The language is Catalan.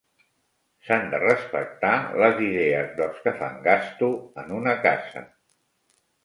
S'han de respectar les idees dels que fan gasto en una casa